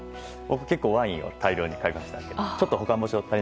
結構ワインを大量に買いましたね。